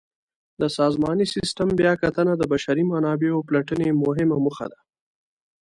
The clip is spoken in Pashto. د سازماني سیسټم بیاکتنه د بشري منابعو پلټنې مهمه موخه ده.